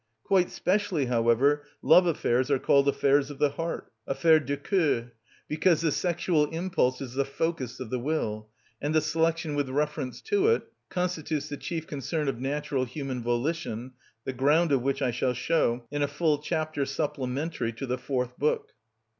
Quite specially, however, love affairs are called affairs of the heart, affaires de cœur; because the sexual impulse is the focus of the will, and the selection with reference to it constitutes the chief concern of natural, human volition, the ground of which I shall show in a full chapter supplementary to the fourth book.